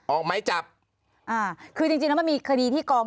ออกไม้จับอ่าคือจริงจริงแล้วมันมีคดีที่กอง